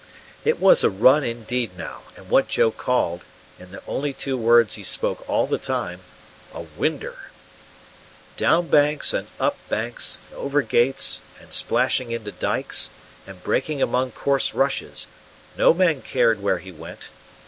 It was a run indeed now, and what Joe called, in the only two words he spoke all the time, "a Winder." Down banks and up banks, and over gates, and splashing into dikes, and breaking among coarse rushes: no man cared where he went.